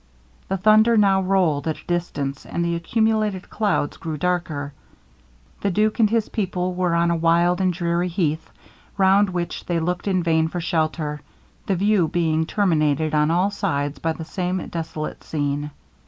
The thunder now rolled at a distance, and the accumulated clouds grew darker. The duke and his people were on a wild and dreary heath, round which they looked in vain for shelter, the view being terminated on all sides by the same desolate scene.